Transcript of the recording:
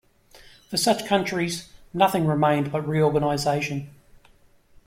For such countries nothing remained but reorganization.